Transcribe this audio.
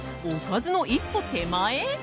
おかずの一歩手前？